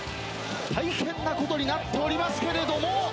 大変なことになっておりますけれども。